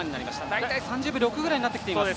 大体３０秒６ぐらいになってきています。